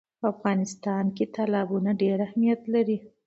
په افغانستان کې تالابونه ډېر اهمیت لري.